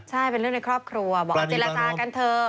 ใช่เป็นเรื่องในครอบครัวบอกเจรจากันเถอะ